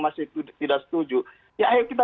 masih tidak setuju ya ayo kita